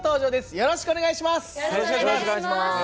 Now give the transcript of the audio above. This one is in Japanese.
よろしくお願いします。